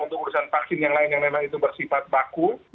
untuk urusan vaksin yang lain yang memang itu bersifat baku